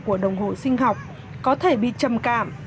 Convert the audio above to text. của đồng hồ sinh học có thể bị trầm cảm